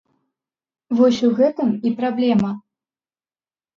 Вось у вось гэтым і праблема!